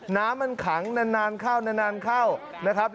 น้ำมันขังนานเข้าเข้า